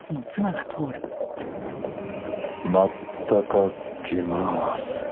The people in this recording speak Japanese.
またかけまーす。